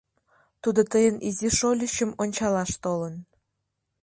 — Тудо тыйын изи шольычым ончалаш толын.